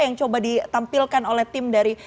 yang coba ditampilkan oleh tim dari